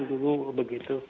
kemudian baru begitu